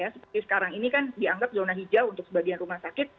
seperti sekarang ini kan dianggap zona hijau untuk sebagian rumah sakit